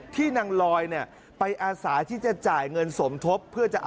ที่นางลอยไปอาศาที่จะจ่ายเงินสมทบ